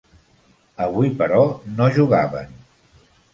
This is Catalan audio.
Avui, però, no jugaven.